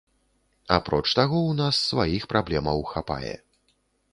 Апроч таго, у нас сваіх праблемаў хапае.